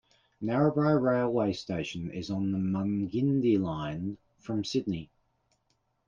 Narrabri railway station is on the Mungindi line, from Sydney.